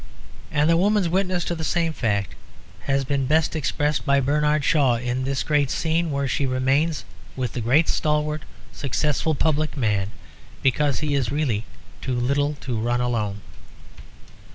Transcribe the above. And the woman's witness to the same fact has been best expressed by Bernard Shaw in this great scene where she remains with the great stalwart successful public man because he is really too little to run alone.